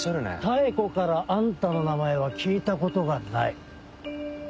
妙子からあんたの名前は聞いたことがない。